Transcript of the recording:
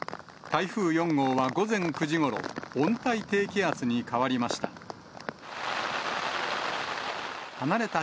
台風４号は午前９時ごろ、温帯低気圧に変わりました。